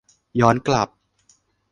ย้อนกลับ